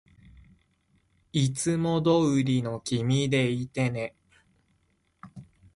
いつもどうりの君でいてね